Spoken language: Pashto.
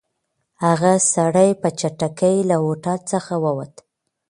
هغه سړی په چټکۍ له هوټل څخه ووت.